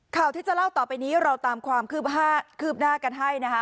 ข่าวที่จะเล่าต่อไปนี้เราตามความคืบหน้ากันให้นะคะ